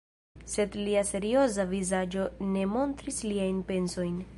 Sed lia serioza vizaĝo ne montris liajn pensojn.